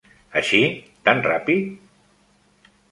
Així, tan ràpid?